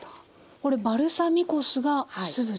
これバルサミコ酢が酢豚